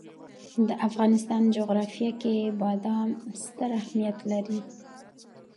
د افغانستان جغرافیه کې بادام ستر اهمیت لري.